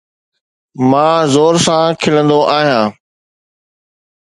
مان زور سان کلندو آهيان